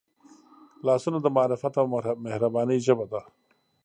لاسونه د معرفت او مهربانۍ ژبه ده